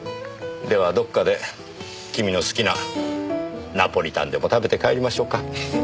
ではどこかで君の好きなナポリタンでも食べて帰りましょうか。